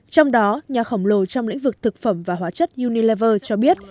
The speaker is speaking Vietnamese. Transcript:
trong đó nhà khổng lồ trong lĩnh vực thực phẩm và hóa chất unilever cho biết